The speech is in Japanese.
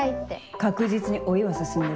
確実に老いは進んでる。